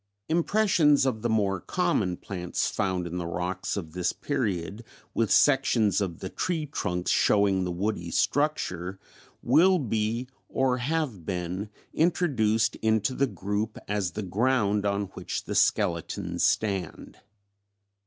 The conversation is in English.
After Osborn] "Impressions of the more common plants found in the rocks of this period with sections of the tree trunks showing the woody structure will be [have been] introduced into the group as the ground on which the skeletons stand.